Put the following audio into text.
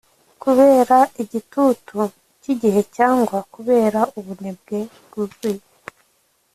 kubera igitutu cyigihe cyangwa kubera ubunebwe bwuzuye